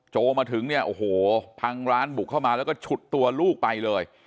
โจมาถึงเนี่ยโอ้โหพังร้านบุกเข้ามาแล้วก็ฉุดตัวลูกไปเลย